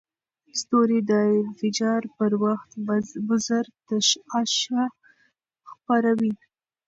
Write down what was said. ستوري د انفجار پر وخت مضر تشعشع خپروي.